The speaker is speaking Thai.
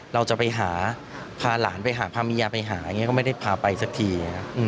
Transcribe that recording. เราจะไปหาพาหลานไปหาพาเมียไปหาอย่างนี้ก็ไม่ได้พาไปสักที